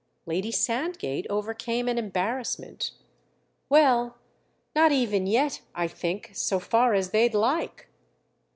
Lady Sandgate overcame an embarrassment. "Well, not even yet, I think, so far as they'd like."